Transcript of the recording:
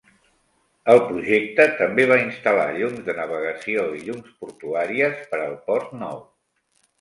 El projecte també va instal·lar llums de navegació i llums portuàries per al port nou.